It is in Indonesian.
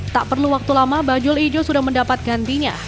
tak perlu waktu lama bajul ijo sudah mendapat gantinya